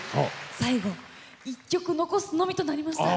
最後１曲を残すのみとなりました。